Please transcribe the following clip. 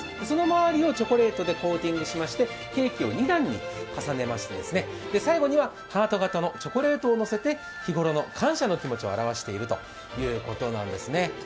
その周りをチョコレートでコーティングしましてケーキを２段に重ねて、最後にはハート形のチョコレートをのせて日頃の感謝の気持ちを表しているということなんですね。